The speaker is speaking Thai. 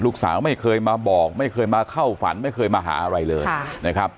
ลูกสาวไม่เคยมาบอกไม่เคยมาเข้าฝันไม่เคยมาหาอะไรเลยนะครับ